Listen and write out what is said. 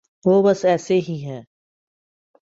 وہ بس ایسے ہی ہیں۔